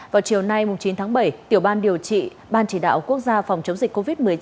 vào chiều nay chín tháng bảy tiểu ban điều trị ban chỉ đạo quốc gia phòng chống dịch covid một mươi chín